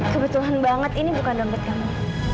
kebetulan banget ini bukan dompet kami